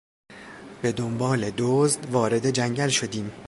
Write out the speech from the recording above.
به دنبال دزد وارد جنگل شدیم.